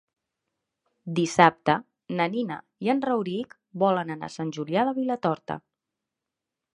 Dissabte na Nina i en Rauric volen anar a Sant Julià de Vilatorta.